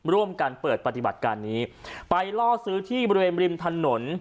ร่วมกันเปิดปฏิบัติการนี้ไปล่อซื้อที่บริเวณริมถนน